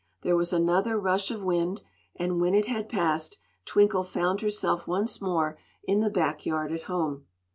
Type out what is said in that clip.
There was another rush of wind, and when it had passed Twinkle found herself once more in the back yard at home.